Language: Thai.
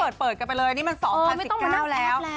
ก็เปิดกันไปเลยนี่มัน๒๐๑๙แล้ว